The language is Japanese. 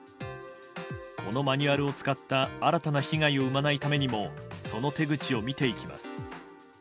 このマニュアルを使った新たな被害を生まないためにもその手口を見ていきます。